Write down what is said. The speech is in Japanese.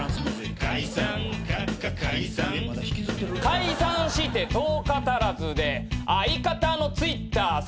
解散して１０日足らずで相方のＴｗｉｔｔｅｒ即閉鎖。